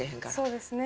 そうですね。